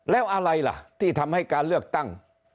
แล้วอะไรล่ะที่ทำให้การเลือกตั้ง